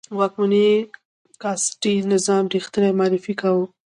واکمنو کاسټي نظام ریښتنی معرفي کاوه.